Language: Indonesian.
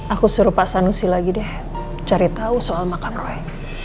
aku suruh pak sanusi lagi deh cari tahu soal makam roy